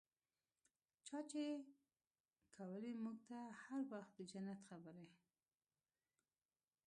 چا چې کولې موږ ته هر وخت د جنت خبرې.